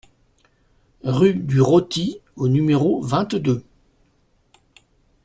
Rue du Roty au numéro vingt-deux